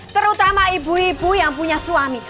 terutama ibu ibu yang punya suami